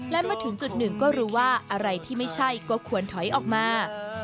และมาถึงจุดหนึ่งก็รู้ว่าอะไรที่ไม่ใช่ก็ควรถอยออกมา